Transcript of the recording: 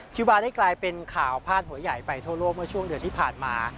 คิวบาร์ได้กลายเป็นข่าวพาดหัวใหญ่ไปทั่วโลกเมื่อช่วงเดือนที่ผ่านมา